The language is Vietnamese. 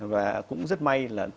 và cũng rất may